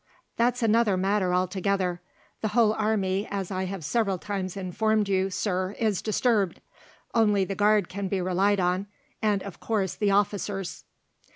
"That's another matter altogether. The whole army, as I have several times informed you, Sir, is disturbed. Only the Guard can be relied on, and, of course, the officers."